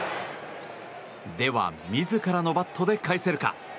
では、自らのバットで返せるか。